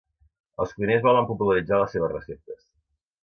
Els cuiners volen popularitzar les seves receptes